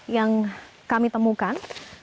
yang kami temukan